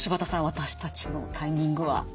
私たちのタイミングは。